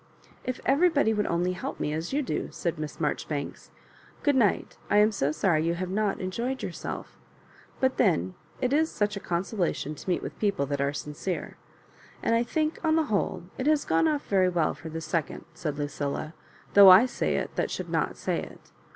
"If everybody would only help me as you do I" said Miss Marjoribanks. "Good night; I am so sorry you have not enjoyed yourself But then it is such a consolation to meet with people that are sincere; And I think, on the whole, it has gone off very well for the second," said Lucilla, "though I say it that should not say it.'